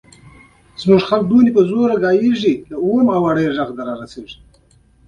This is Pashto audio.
د خپل لومړي وزیر په مرسته تحول ته لار هواره کړه.